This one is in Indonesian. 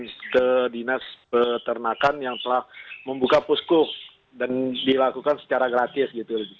vaksin ke dinas peternakan yang telah membuka puskuk dan dilakukan secara gratis